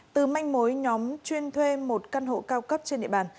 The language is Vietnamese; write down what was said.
từ manh mối nhóm chuyên thuê một căn hộ cao cấp trên địa bàn